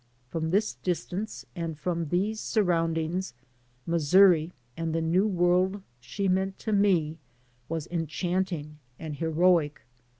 From this distance and from these surroundings Missouri and the new world she meant to me was enchanting and heroic.